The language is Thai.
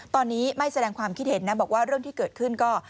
ตอนนี้ไม่แสดงความคิดเห็นนะบอกว่าเรื่องที่เกิดขึ้นก็